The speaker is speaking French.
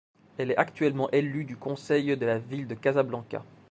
Elle est actuellement élue du conseil de la ville de Casablanca.